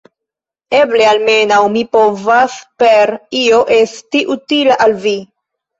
Eble almenaŭ mi povas per io esti utila al vi.